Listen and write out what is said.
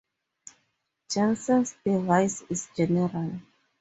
Jensen's device is general.